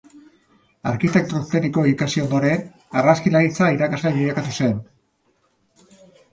Arkitekto teknikoa ikasi ondoren, argazkilaritza irakasle bilakatu zen.